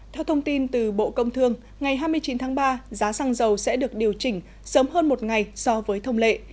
theo thông tin từ bộ công thương ngày hai mươi chín tháng ba giá xăng dầu sẽ được điều chỉnh sớm hơn một ngày so với thông lệ